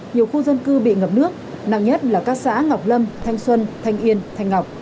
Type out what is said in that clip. nhiều khu dân cư bị ngập nước nặng nhất là các xã ngọc lâm thanh xuân thanh yên thanh ngọc